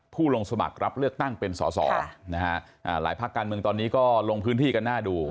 ผู้ลงสมัครรับเลือกตั้งเป็นสอสอนะฮะหลายภาคการเมืองตอนนี้ก็ลงพื้นที่กันหน้าดู